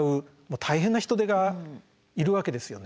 大変な人手がいるわけですよね。